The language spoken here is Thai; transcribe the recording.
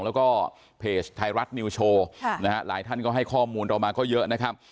แล้วก็เพจไทยรัฐนิวโชว์นะฮะหลายท่านก็ให้ข้อมูลเรามาก็เยอะนะครับ